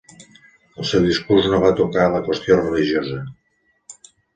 El seu discurs no va tocar la qüestió religiosa.